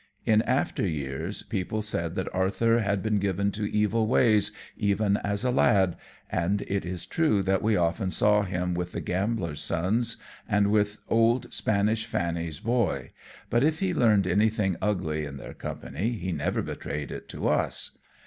In after years people said that Arthur had been given to evil ways even as a lad, and it is true that we often saw him with the gambler's sons and with old Spanish Fanny's boy, but if he learned anything ugly in their company he never betrayed it to us.